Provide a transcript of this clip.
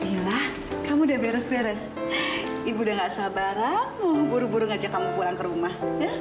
mila kamu sudah beres beres ibu sudah tidak sabar mau buru buru mengajak kamu pulang ke rumah